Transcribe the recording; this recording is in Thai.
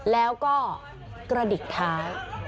แล้วก็กระดิกท้า